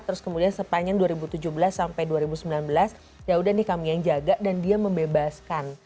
terus kemudian sepanjang dua ribu tujuh belas sampai dua ribu sembilan belas yaudah nih kami yang jaga dan dia membebaskan